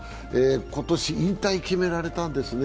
今年引退決められたんですね。